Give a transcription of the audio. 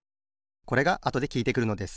これがあとできいてくるのです。